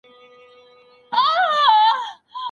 ولي محنتي ځوان د مخکښ سړي په پرتله موخي ترلاسه کوي؟